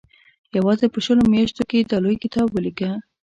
یوازې په شلو میاشتو کې یې دا لوی کتاب ولیکه.